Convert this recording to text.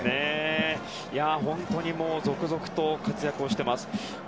本当に続々と活躍をしています。